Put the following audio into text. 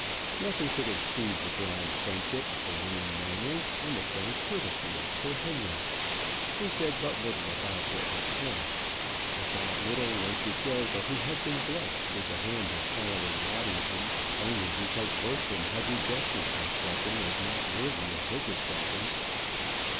Nothing could exceed the bland friendship, the winning manners, and the frank courtesy of Sir Henry. He said but little about what was past; but that little went to show that he had been blessed with the hand of Caroline Waddington only because Bertram had rejected that blessing as not worthy his acceptance.